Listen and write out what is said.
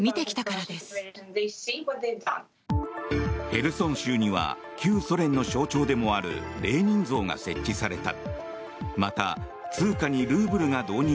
ヘルソン州には旧ソ連の象徴でもあるレーニン像が設置された。